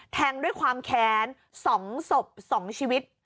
แทงด้วยความแค้น๒ศพ๒ชีวิต